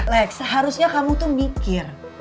lex seharusnya kamu tuh mikir